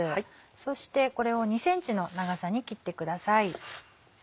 そしてこれを２ｃｍの長さに切ってください。